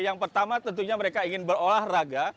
yang pertama tentunya mereka ingin berolahraga